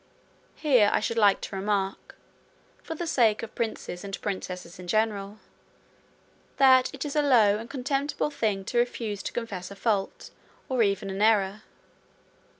Here I should like to remark, for the sake of princes and princesses in general, that it is a low and contemptible thing to refuse to confess a fault, or even an error.